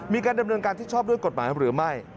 มีการดำเนินการที่ชอบด้วยกฎหมายหรือไม่